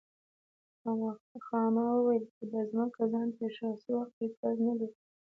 خاما وویل که دا ځمکه ځان ته شخصي واخلي اعتراض نه لرو.